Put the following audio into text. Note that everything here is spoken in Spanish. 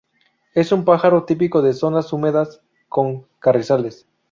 Es un pájaro típico de zonas húmedas con carrizales.